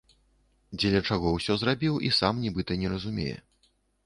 Дзеля чаго ўсё зрабіў, і сам нібыта не разумее.